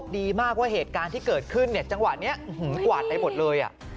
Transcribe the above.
ดีมากว่าเหตุการณ์ที่เกิดขึ้นเนี่ยจังหวะนี้กวาดไปหมดเลย